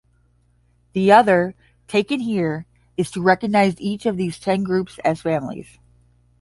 The other, taken here, is to recognize each of these ten groups as families.